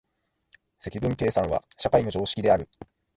積分計算は社会の常識である。